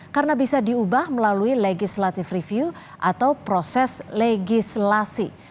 karena bisa diubah melalui legislative review atau proses legislasi